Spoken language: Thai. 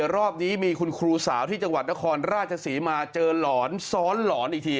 รอบนี้มีคุณครูสาวที่จังหวัดนครราชศรีมาเจอหลอนซ้อนหลอนอีกที